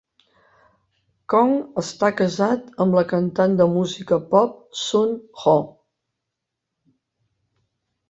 Kong està casat amb la cantant de música pop Sun Ho.